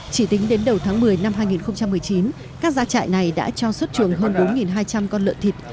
chỉ tính đến đầu tháng một mươi năm hai nghìn một mươi chín các gia trại này đã cho xuất trường hơn bốn hai trăm linh con lợn thịt